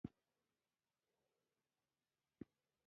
سپۍ ته یې لېرې ډوډۍ ور واچوله.